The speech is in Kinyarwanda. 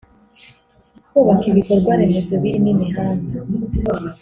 kubaka ibikorwaremezo birimo imihanda